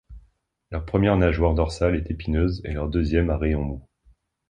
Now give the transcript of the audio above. Leur première nageoire dorsale est épineuse et leur deuxième à rayons mous.